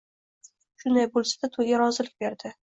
Shunday bo‘lsa-da, to‘yga rozilik berdi.